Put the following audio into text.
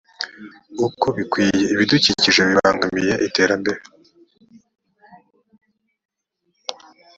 uko bikwiye ibidukikije bibangamiye iterambere